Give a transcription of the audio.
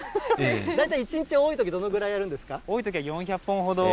大体１日多いとき、どのぐらいやるんですか？